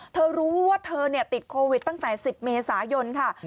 เธอรู้ว่าเธอติดโควิดตั้งแต่๑๐เมษายนค่ะ